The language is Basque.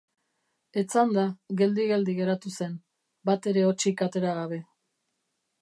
Etzanda, geldi-geldi geratu zen, batere hotsik atera gabe.